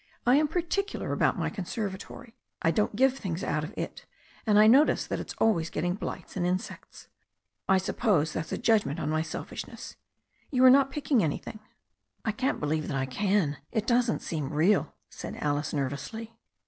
I am particular about my conservatory. I don't give things out of it, and I notice that it's always getting blights and insects. I sup THE STORY OF A NEW ZEALAND RIVER 45 pose that's a judgment on my selfishness. You are not picking an3rthing." *1 can't believe that I can. It doesn't seem real/' said Alice nervously.